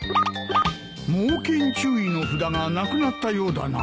「猛犬注意」の札がなくなったようだな。